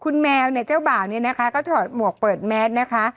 แล้วเนี่ยเจ้าบ่านี่นะคะก็ถอดหมวกเปิดแมทนะคะ